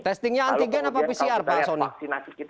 testingnya antigen apa pcr pak soni